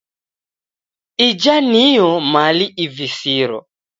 Ija niyo mali ivisiro.